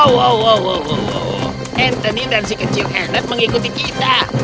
oh anthony dan si kecil hen mengikuti kita